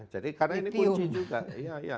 jadi karena ini kunci juga